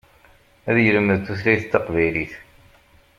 Ad yelmed tutlayt taqbaylit.